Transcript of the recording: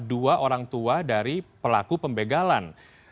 dua orang tua dari pelaku pembegalan